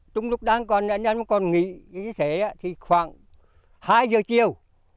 trong lúc anh em còn nghỉ khoảng hai giờ chiều